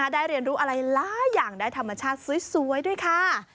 ได้เรียนรู้อะไรหลายอย่างได้ธรรมชาติสวยด้วยค่ะ